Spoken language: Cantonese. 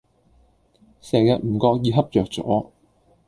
成日唔覺意恰著左